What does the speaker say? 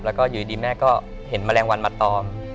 แล้วก็อยู่ดีแม่ก็เห็นแมลงวันมาตอม